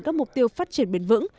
các mục tiêu phát triển bền vững